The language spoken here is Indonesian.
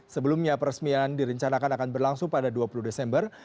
sebelumnya peresmian direncanakan akan berlangsung pada dua puluh desember